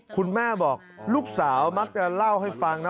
คุณแม่บอกลูกสาวมักจะเล่าให้ฟังนะ